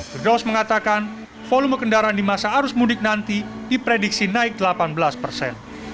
firdaus mengatakan volume kendaraan di masa arus mudik nanti diprediksi naik delapan belas persen